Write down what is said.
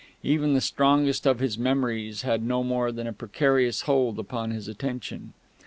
Even the strongest of his memories had no more than a precarious hold upon his attention.